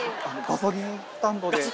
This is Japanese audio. ガソリンスタンドで。